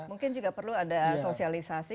mungkin juga perlu ada sosialisasi